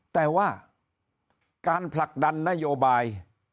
แต่ว่าการผลักดันนโยบาย